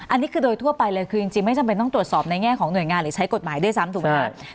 อันนี้คือโดยทั่วไปเลยคือจริงไม่จำเป็นต้องตรวจสอบในแง่ของหน่วยงานหรือใช้กฎหมายด้วยซ้ำถูกไหมครับ